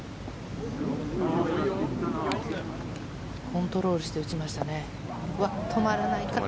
コントロールして打ちましたね。